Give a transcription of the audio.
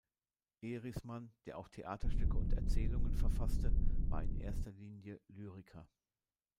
Ehrismann, der auch Theaterstücke und Erzählungen verfasste, war in erster Linie Lyriker.